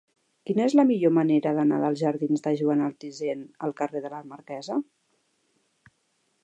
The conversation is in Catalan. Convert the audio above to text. Quina és la millor manera d'anar dels jardins de Joan Altisent al carrer de la Marquesa?